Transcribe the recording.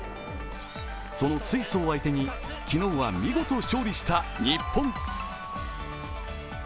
そのスイスを相手に昨日は見事勝利した日本。